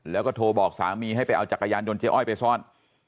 แล้วก็โทรบอกสามีให้ไปเอาจักรยานยนเจ๊อ้อยไปซ่อน